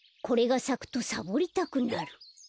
これがさくとサボりたくなる。